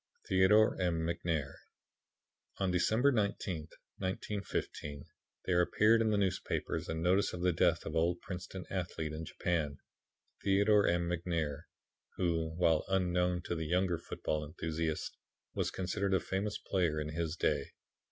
Theodore M. McNair On December 19th, 1915, there appeared in the newspapers a notice of the death of an old Princeton athlete, in Japan Theodore M. McNair who, while unknown to the younger football enthusiasts, was considered a famous player in his day.